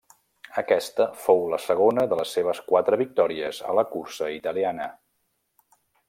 Aquesta fou la segona de les seves quatre victòries a la cursa italiana.